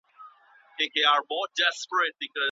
د جاغور ناروغي څنګه مخنیوی کیږي؟